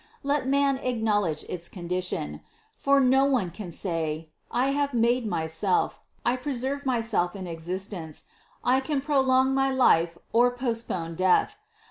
Let man acknowledge its condition : for no one can say: I have made myself, I preserve myself in existence, I can prolong my life or postpone death.